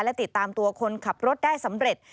และติดตามตัวคนขับรถได้สำเร็จ